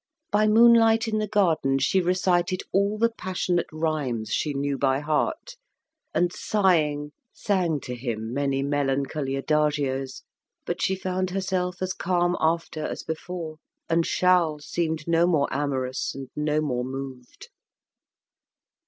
By moonlight in the garden she recited all the passionate rhymes she knew by heart, and, sighing, sang to him many melancholy adagios; but she found herself as calm after as before, and Charles seemed no more amorous and no more moved.